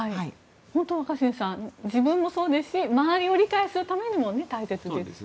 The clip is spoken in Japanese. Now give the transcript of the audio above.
若新さん自分もそうですし周りを理解するためにも大切ですよね。